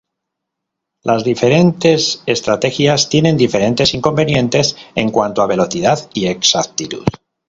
Las diferentes estrategias tienen diferentes inconvenientes en cuanto a velocidad y exactitud.